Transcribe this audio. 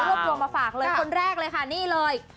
รวบรวมมาฝากเลยคนแรกเลยค่ะนี่เลย